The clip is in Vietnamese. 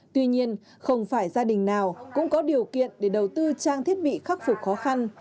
tuy nhiên không phải gia đình nào cũng có điều kiện để đầu tư trang thiết bị khắc phục khó khăn